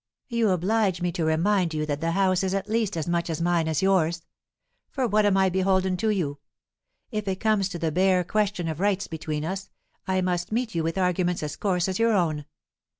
"You oblige me to remind you that the house is at least as much mine as yours. For what am I beholden to you? If it comes to the bare question of rights between us, I must meet you with arguments as coarse as your own.